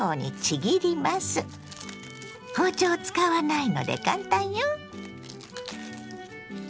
包丁を使わないので簡単よ。